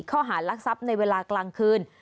ข้อหารักทรัพย์ในเวลากลางคืน